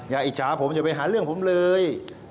อิจฉาผมอย่าไปหาเรื่องผมเลย